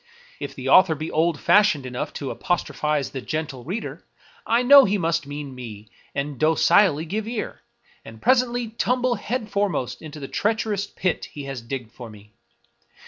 If the author be old fashioned enough to apostrophize the Gentle Reader, I know he must mean me, and docilely give ear, and presently tumble head foremost into the treacherous pit he has digged for me.